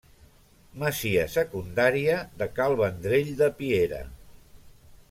Masia secundària de Cal Vendrell de Piera.